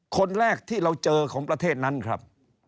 คนแรกที่เราเจอของประเทศนั้นครับ